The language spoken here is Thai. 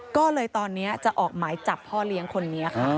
ก็เลยตอนนี้จะออกหมายจับพ่อเลี้ยงคนนี้ค่ะ